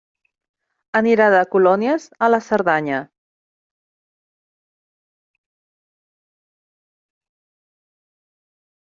Anirà de colònies a la Cerdanya.